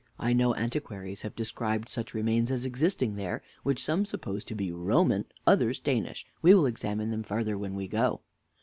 I know antiquaries have described such remains as existing there, which some suppose to be Roman, others Danish. We will examine them further, when we go.